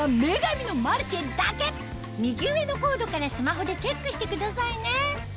右上のコードからスマホでチェックしてくださいね！